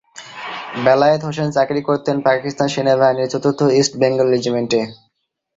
বেলায়েত হোসেন চাকরি করতেন পাকিস্তান সেনাবাহিনীর চতুর্থ ইস্ট বেঙ্গল রেজিমেন্টে।